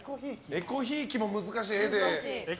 えこひいきも難しい、絵で。